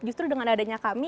justru dengan adanya kami